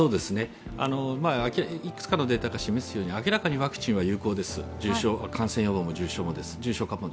いくつかのデータが示すように、明らかにワクチンは有効です、感染予防も重症化も。